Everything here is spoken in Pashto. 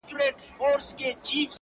کرۍ ورځ په کور کي لوبي او نڅا کړي.!